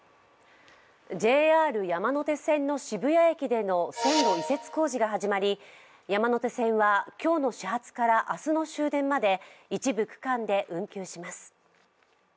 ＪＲ山手線の渋谷駅での線路移設工事が始まり山手線は今日の始発から明日の終電まで一部区間で運休します。